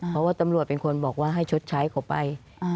เพราะว่าตำรวจเป็นคนบอกว่าให้ชดใช้เขาไป